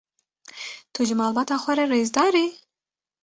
Tu ji malbata xwe re rêzdar î?